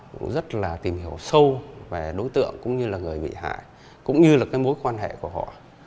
cũng rất là tìm hiểu sâu về đối tượng cũng như là người bị hại cũng như là cái mối quan hệ của họ